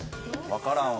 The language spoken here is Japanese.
わからんわ。